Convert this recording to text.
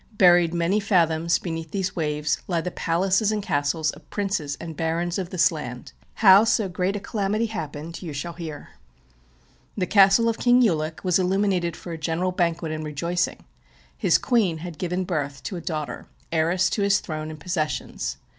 Buried many fathoms beneath these waves lie the palaces and castles of princes and barons of this land. How so great a calamity happened you shall hear. " The castle of king Ulic was illuminated for a general banquet and rejoicing. His queen had given birth to a daughter, heiress to his throne and possessions.